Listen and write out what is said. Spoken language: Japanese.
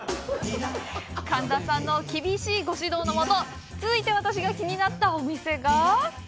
神田さんの厳しいご指導のもと続いて、私が気になったお店が。